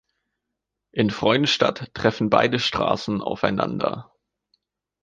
In Freudenstadt treffen beide Straßen aufeinander.